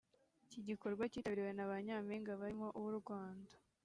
iki gikorwa cyitabiriwe na ba Nyampinga barimo uw’u Rwanda